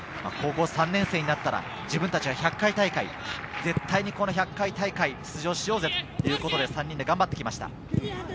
高校３年生になったら自分たちは絶対にこの１００回大会出場しようぜということで、３人で頑張ってきました。